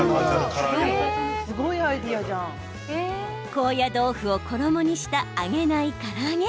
高野豆腐を衣にした揚げないから揚げ。